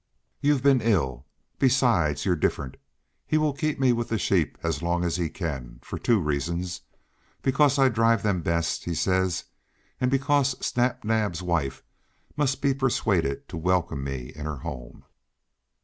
You've been ill, besides you're different. He will keep me with the sheep as long as he can, for two reasons because I drive them best, he says, and because Snap Naab's wife must be persuaded to welcome me in her home."